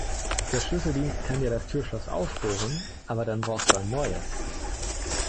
Der Schlüsseldienst kann dir das Türschloss aufbohren, aber dann brauchst du ein neues.